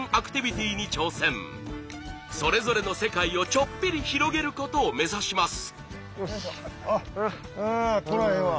それぞれの世界をちょっぴり広げることを目指します。